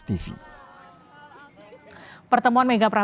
pertemuan mega perjuangan di solo atau di siapa